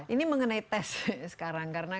ini mengenai tes sekarang karena